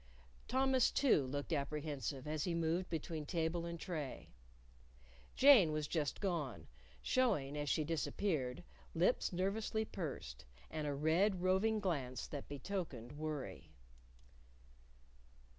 Thomas, too, looked apprehensive as he moved between table and tray. Jane was just gone, showing, as she disappeared, lips nervously pursed, and a red, roving glance that betokened worry.